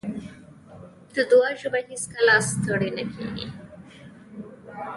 د دعا ژبه هېڅکله ستړې نه کېږي.